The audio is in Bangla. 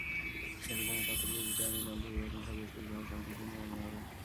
একই সঙ্গে তথ্যপ্রযুক্তি আইনের নাম পরিবর্তনসহ বেশ কিছু ধারায় সংশোধনী আনা হবে।